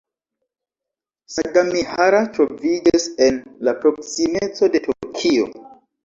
Sagamihara troviĝas en la proksimeco de Tokio.